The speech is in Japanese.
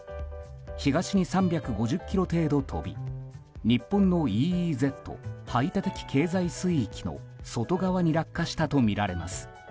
東に３５０ｋｍ程度飛び日本のＥＥＺ・排他的経済水域の外側に落下したとみられます。